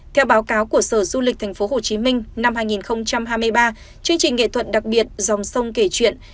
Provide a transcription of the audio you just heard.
theo báo cáo của sở du lịch tp hcm năm hai nghìn hai mươi ba chương trình nghệ thuật đặc biệt dòng sông kể chuyện